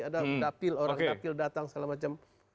ada dapil orang dapil datang segala macam